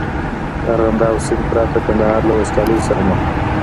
د ارغنداب سیند پرته کندهار له وچکالۍ سره مخ و.